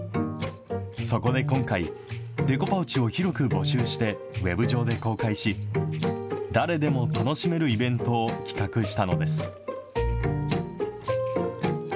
そこで今回、デコパウチを広く募集して、ウェブ上で公開し、誰でも楽しめるイベントを企画したのです。